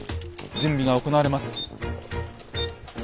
準備が行われます。